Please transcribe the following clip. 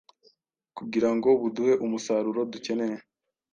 kugira ngo buduhe umusaruro dukeneye.